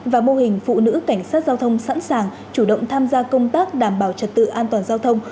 và mô hình phụ nữ cảnh sát giao thông sẵn sàng chủ động tham gia công tác đảm bảo trật tự an toàn giao thông